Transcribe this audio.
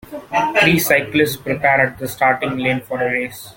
Three cyclists prepare at the starting line for a race.